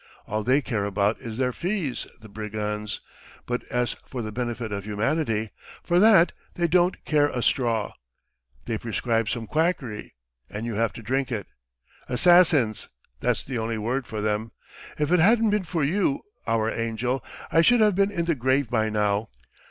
All they care about is their fees, the brigands; but as for the benefit of humanity for that they don't care a straw. They prescribe some quackery, and you have to drink it. Assassins, that's the only word for them. If it hadn't been for you, our angel, I should have been in the grave by now!